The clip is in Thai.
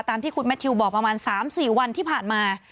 ตามที่คุณแมททิวบอกประมาณ๓๔วันที่ผ่านมา